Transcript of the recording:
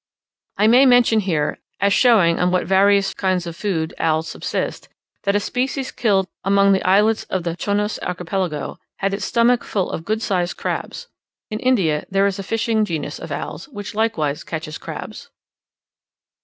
I may here mention, as showing on what various kinds of food owls subsist, that a species killed among the islets of the Chonos Archipelago, had its stomach full of good sized crabs. In India there is a fishing genus of owls, which likewise catches crabs.